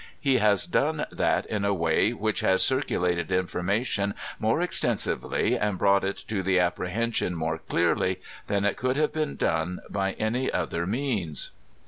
He has done that in a way which has circulated information more extensively, and brought it to the apprehension more dearly than it could have been done by any other means.